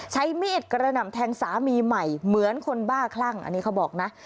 ใช้มีดกระหน่ำแทงสามีใหม่เหมือนคนบ้าคลั่งอันนี้เขาบอกนะ